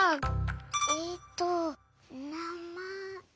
えっとなまえ。